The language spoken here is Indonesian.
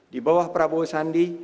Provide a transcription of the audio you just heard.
di bawah prabowo sandi